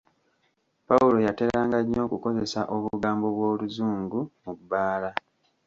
Pawulo yateranga nnyo okukozesa obugambo bw'Oluzungu mu bbaala.